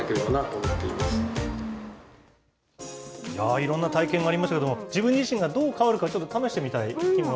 いろんな体験ありましたけど、自分自身がどう変わるか、ちょっと試してみたい気もしますね。